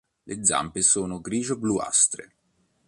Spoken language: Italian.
Le zampe sono grigio-bluastre.